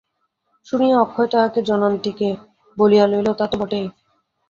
শুনিয়া অক্ষয় তাহাকে জনান্তিকে বলিয়া লইল, তা তো বটেই!